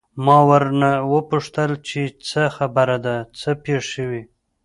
ما ورنه وپوښتل چې څه خبره ده، څه پېښ شوي؟